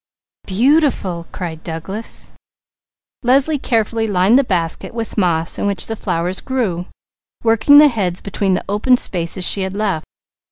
"Beautiful!" cried Douglas. Leslie carefully lined the basket with moss in which the flowers grew, working the heads between the open spaces she had left.